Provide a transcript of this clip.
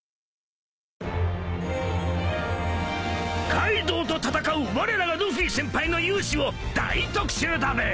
カイドウと戦うわれらがルフィ先輩の勇姿を大特集だべ！